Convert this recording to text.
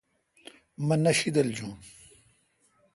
مہ نہ شیدل جون۔